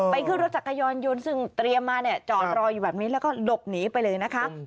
ขึ้นรถจักรยานยนต์ซึ่งเตรียมมาเนี่ยจอดรออยู่แบบนี้แล้วก็หลบหนีไปเลยนะคะ